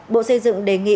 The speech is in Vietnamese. bộ xây dựng đề nghị